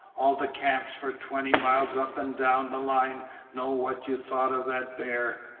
All the camps for twenty miles up and down the line know what you thought of that bear.